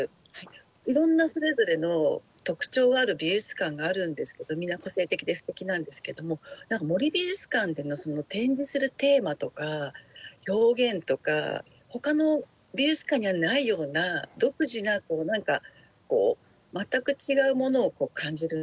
いろんなそれぞれの特徴がある美術館があるんですけどみんな個性的ですてきなんですけども森美術館での展示するテーマとか表現とかほかの美術館にはないような独自な全く違うものを感じるんですね。